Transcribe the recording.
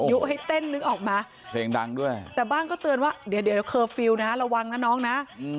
ยุให้เต้นนึกออกมาเพลงดังด้วยแต่บ้านก็เตือนว่าเดี๋ยวเคอร์ฟิลล์นะระวังนะน้องนะ